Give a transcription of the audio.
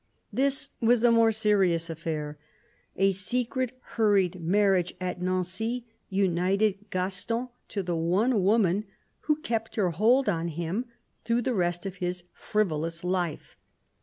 This was a more serious affair. A secret, hurried marriage at Nancy united Gaston to the one woman who kept her hold on him through the rest of his frivolous life.